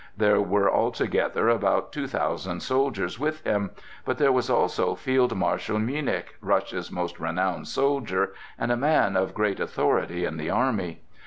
There were altogether about two thousand soldiers with him; but there was also Field marshal Münnich, Russia's most renowned soldier, and a man of great authority in the army.